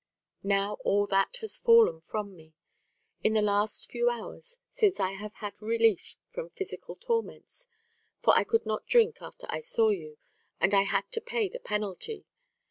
Now, all that has fallen from me, in the last few hours, since I have had relief from physical torments, for I could not drink after I saw you, and I had to pay the penalty.